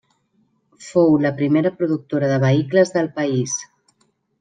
Fou la primera productora de vehicles del país.